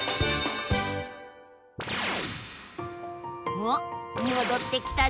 おっもどってきたぞ！